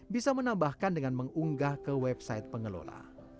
bisa menambahkan dengan mengunggah ke website pengelola